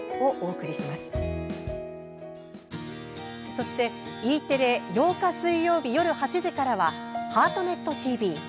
そして、Ｅテレ８日、水曜日、夜８時からは「ハートネットＴＶ」。